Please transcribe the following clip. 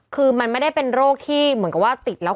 คือมันไม่ได้เป็นโรคที่เหมือนกับว่าติดแล้ว